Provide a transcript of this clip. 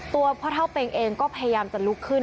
ตัวพ่อเท่าเป็งเองก็พยายามจะลุกขึ้น